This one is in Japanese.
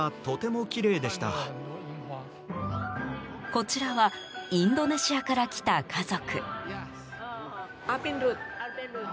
こちらはインドネシアから来た家族。